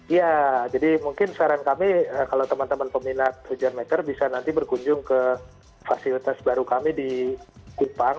ya jadi mungkin saran kami kalau teman teman peminat hujan meter bisa nanti berkunjung ke fasilitas baru kami di kupang